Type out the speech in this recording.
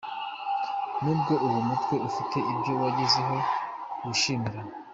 N’ubwo uwo mutwe ufite ibyo wagezeho wishimira,